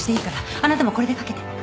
あなたもこれでかけて。